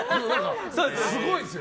すごいんですよ。